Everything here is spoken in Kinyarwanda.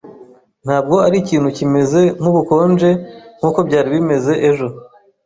Ntabwo arikintu kimeze nkubukonje nkuko byari bimeze ejo.